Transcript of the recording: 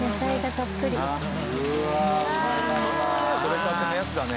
とれたてのやつだね。